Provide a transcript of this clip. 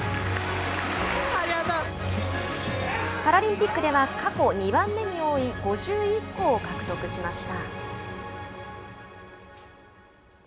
パラリンピックでは過去２番目に多い５１個を獲得しました。